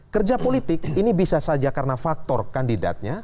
kerja politik ini bisa saja karena faktor kandidatnya